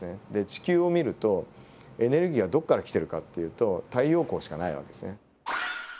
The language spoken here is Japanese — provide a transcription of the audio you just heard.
地球を見るとエネルギーがどこから来てるかっていうと太陽光しかない訳ですね。